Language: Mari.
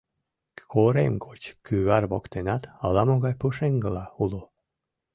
Корем гоч кӱвар воктенат ала-могай пушеҥгыла уло.